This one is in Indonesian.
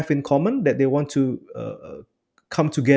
memiliki di antara mereka bahwa mereka ingin